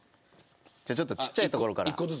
じゃあ、ちょっとちっちゃいところから。